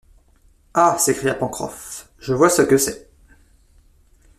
Ah s’écria Pencroff, je vois ce que c’est